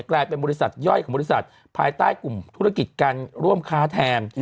กลายเป็นบริษัทย่อยของบริษัทภายใต้กลุ่มธุรกิจการร่วมค้าแทน